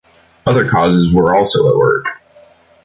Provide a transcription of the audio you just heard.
Other causes were also at work.